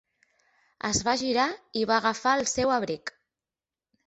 Es va girar i va agafar el seu abric.